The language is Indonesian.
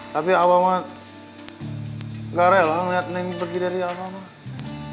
tapi abah mah gak rela ngeliat neng pergi dari abah